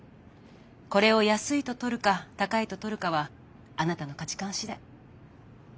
これを安いと取るか高いと取るかはあなたの価値観次第。